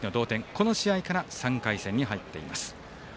この試合から３回戦に入っています。